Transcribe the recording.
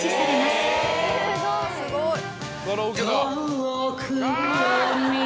すごい。